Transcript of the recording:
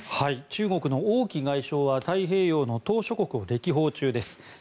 中国の王毅外相は太平洋の島しょ国を歴訪中です。